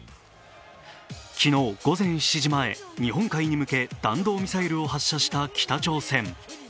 昨日午前７時前、日本海に向け弾道ミサイルを発射した北朝鮮。